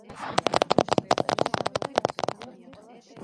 ზოგიერთი ელემენტი უფრო გვიანდელია და ბაროკოს ან კლასიციზმის სტილს წარმოადგენს.